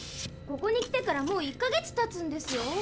ここに来てからもう１か月たつんですよ。